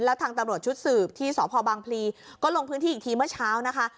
แล้วทางตำรวจชุดสืบที่สพบางพลีก็ลงพื้นที่อีกทีเมื่อเช้านะคะ